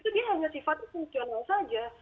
itu dia hanya sifatnya fungsional saja